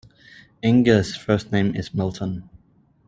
Inge's first name is Milton.